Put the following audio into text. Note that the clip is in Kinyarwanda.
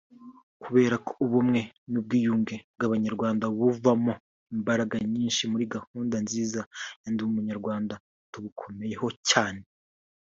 kubera ko ubumwe n’ubwiyunge bw’abanyarwanda buvoma imbaraga nyinshi muri gahunda nziza ya ‘Ndi Umunyarwanda’ tubukomeyeho cyane”